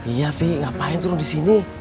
iya fi ngapain turun disini